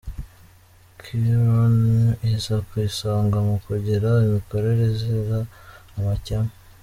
Chiron iza ku isonga mu kugira imikorere izira amakemwa.